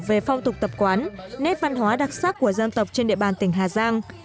về phong tục tập quán nét văn hóa đặc sắc của dân tộc trên địa bàn tỉnh hà giang